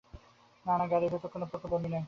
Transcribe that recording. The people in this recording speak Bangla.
না না, গাড়ির ভিতরে কোনো প্রকার বমি নয়।